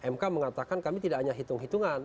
mk mengatakan kami tidak hanya hitung hitungan